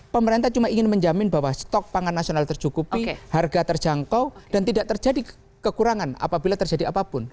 pemerintah cuma ingin menjamin bahwa stok pangan nasional tercukupi harga terjangkau dan tidak terjadi kekurangan apabila terjadi apapun